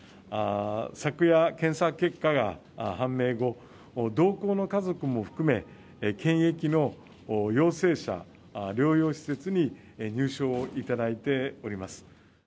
昨夜、検査結果が判明後、同行の家族も含め、検疫の陽性者療養施設に入所をいただいております。